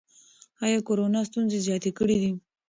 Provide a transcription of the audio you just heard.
ایا کورونا ستونزې زیاتې کړي دي؟